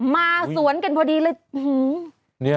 มาสวนกันพอดีเลย